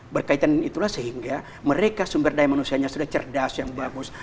berkaitan dengan itulah sehingga mereka sumber daya manusianya sudah cerdas yang bagus